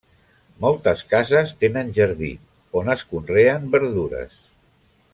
Moltes cases tenen jardí on es conreen verdures.